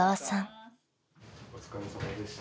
お疲れさまでした。